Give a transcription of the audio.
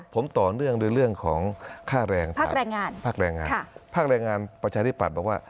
ผมต่อเรื่องของค่าแรงภาคแรงงานภาคแรงงานประชาธิบัตรบอกว่า